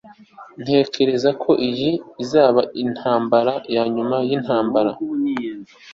ntekereza ko iyi izaba intambara yanyuma yintambara